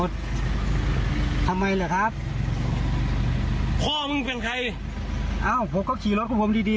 ทำไมล่ะครับพ่อมึงเป็นใครเอ้าผมก็ขี่รถของผมดีดี